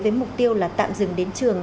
với mục tiêu là tạm dừng đến trường